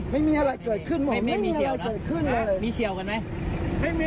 ไม่มีอะไรเกิดขึ้นเลยมีเชี่ยวกันไหม